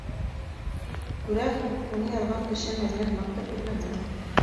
Күрәһең, уны яҙған кеше Мәҙинә һымаҡты күрмәгән.